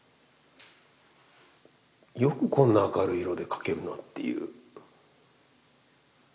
よくこんな明るい色で描けるなっていう。